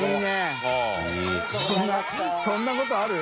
そんなことある？